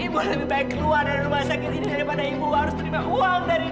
maya ibu lebih baik keluar dari rumah sakit ini